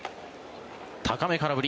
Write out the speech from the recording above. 高め、空振り。